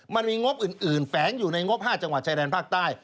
มันมีงบอื่นแฝงอยู่ในงบ๕จังหวัดชายแดนภาคใต้